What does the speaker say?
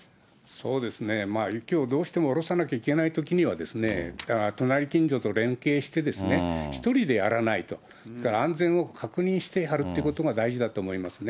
そうですね、雪をどうしても下ろさなきゃいけないときには、隣近所と連携して、１人でやらないと、それから安全を確認してやるということが、大事だと思いますね。